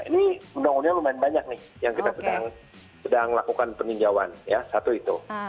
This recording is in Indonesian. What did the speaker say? ini undang undangnya lumayan banyak nih yang kita sedang lakukan peninjauan ya satu itu